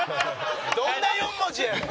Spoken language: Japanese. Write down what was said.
どんな４文字やねん！